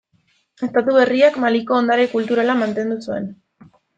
Estatu berriak Maliko ondare kulturala mantendu zuen.